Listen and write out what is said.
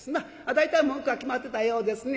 大体文句は決まってたようですね。